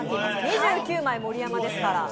２９枚「盛山」ですから。